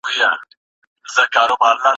که موږ ارقام ونه لرو پرېکړه نسو کولای.